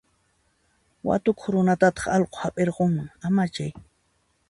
Watukuq runatataq allqu hap'irqunman, amachay.